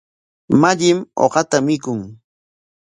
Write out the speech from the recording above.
Mallim uqata mikun.